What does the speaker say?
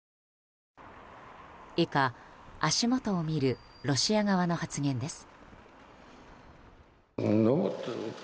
以下、足元を見るロシア側の発言です。